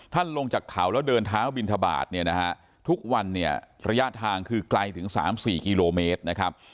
ลงจากเขาแล้วเดินเท้าบินทบาทเนี่ยนะฮะทุกวันเนี่ยระยะทางคือไกลถึง๓๔กิโลเมตรนะครับ